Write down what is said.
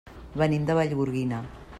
Venim de Vallgorguina.